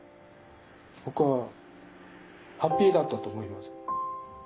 僕はハッピーだったと思います。